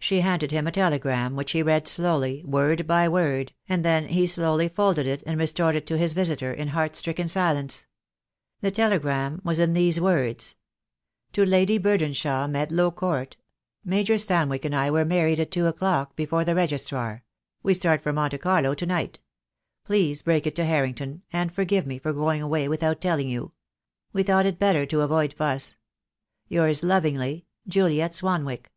She handed him a telegram, which he read slowly, word by word, and then he slowly folded it and restored it to his visitor, in heart stricken silence. The telegram was in these words: — "To Lady Burdenshaw, Medlow Court, — Major Swanwick and I were married at two o'clock, before the Registrar. We start for Monte Carlo to night. Please break it to Harrington, and forgive me for going away without telling you. We thought it better to avoid fuss. — Yours lovingly, "Juliet Swanwick."